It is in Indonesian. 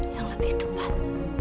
yang lebih tepat